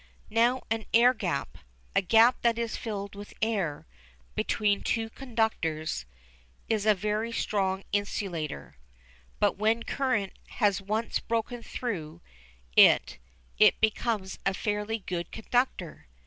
Now an air gap a gap that is filled with air, between two conductors is a very strong insulator. But when current has once broken through it it becomes a fairly good conductor.